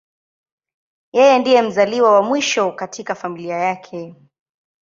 Yeye ndiye mzaliwa wa mwisho katika familia yake.